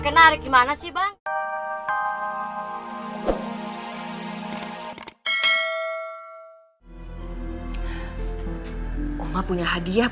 abi gak mau hadiah